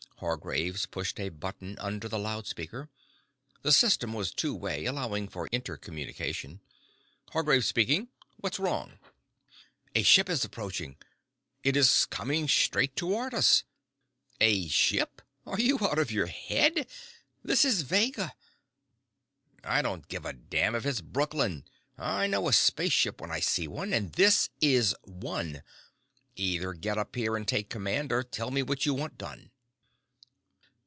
Hargraves pushed a button under the loudspeaker. The system was two way, allowing for intercommunication. "Hargraves speaking. What's wrong?" "A ship is approaching. It is coming straight toward us." "A ship! Are you out of your head? This is Vega." "I don't give a damn if it's Brooklyn! I know a space ship when I see one. And this is one. Either get up here and take command or tell me what you want done."